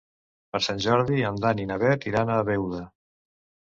Per Sant Jordi en Dan i na Bet iran a Beuda.